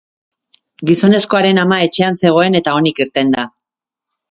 Gizonezkoaren ama etxean zegoen eta onik irten da.